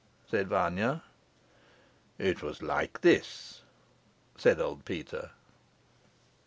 said Vanya. "It was like this," said old Peter.